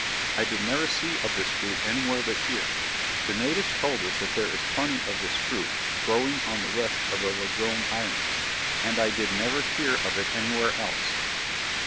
I did never see of this fruit anywhere but here. The natives told us that there is plenty of this fruit growing on the rest of the Ladrone Islands; and I did never hear of it anywhere else.'